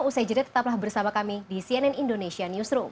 usai jeda tetaplah bersama kami di cnn indonesia newsroom